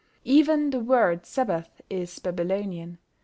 Even the word Sabbath is Babylonian.